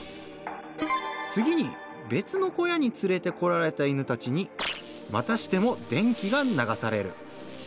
次にべつの小屋につれてこられた犬たちにまたしても電気が流される。